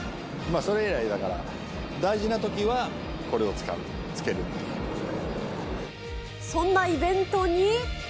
それ以来だから、大事なときはこれを使う、そんなイベントに。